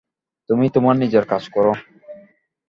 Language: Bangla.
তুমি তোমার নিজের কাজ করো।